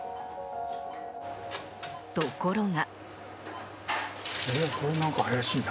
ところが。